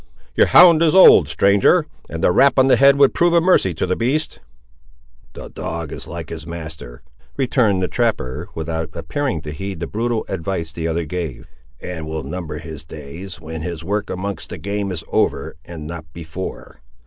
"Your hound is old, stranger, and a rap on the head would prove a mercy to the beast." "The dog is like his master," returned the trapper, without appearing to heed the brutal advice the other gave, "and will number his days, when his work amongst the game is over, and not before.